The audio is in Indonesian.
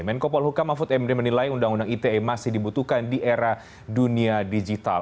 menkopol hukam afut md menilai undang undang ite masih dibutuhkan di era dunia digital